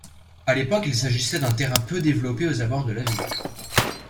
À l'époque il s'agissait d'un terrain peu développé aux abords de la ville.